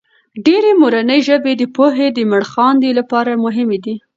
ډېرې مورنۍ ژبې د پوهې د مړخاندې لپاره مهمې دي.